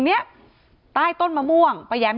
ที่มีข่าวเรื่องน้องหายตัว